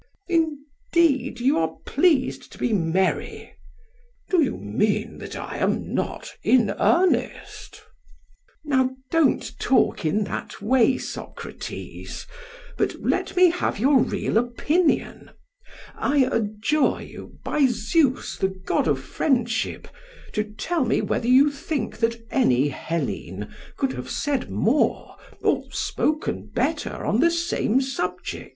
PHAEDRUS: Indeed, you are pleased to be merry. SOCRATES: Do you mean that I am not in earnest? PHAEDRUS: Now don't talk in that way, Socrates, but let me have your real opinion; I adjure you, by Zeus, the god of friendship, to tell me whether you think that any Hellene could have said more or spoken better on the same subject.